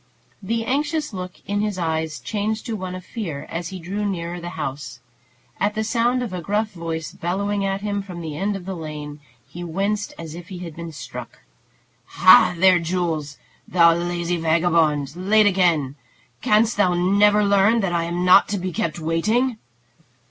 The anxious look in his eyes changed to one of fear as he drew nearer the house. At the sound of a gruff voice bellowing at him from the end of the lane, he winced as if he had been struck. "Ha, there, Jules! Thou lazy vagabond! Late again! Canst thou never learn that I am not to be kept waiting?"